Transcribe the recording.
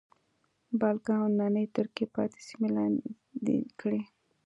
بالکان او نننۍ ترکیې پاتې سیمې لاندې کړې.